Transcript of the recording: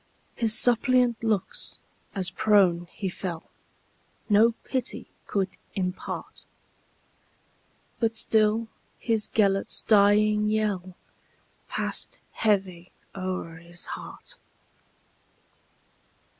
His suppliant looks, as prone he fell, No pity could impart; But still his Gêlert's dying yellPassed heavy o'er his heart.